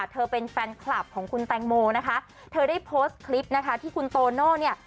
เธอเป็นแฟนคลับของคุณแตงโมนะคะเธอได้โพสต์คลิปนะคะที่คุณโตโน่เนี่ย